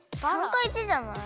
③か①じゃない？